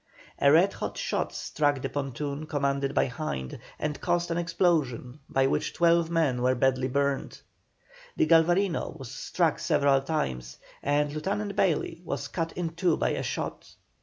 A red hot shot struck the pontoon commanded by Hind, and caused an explosion by which twelve men were badly burned. The Galvarino was struck several times, and Lieutenant Bayley was cut in two by a shot.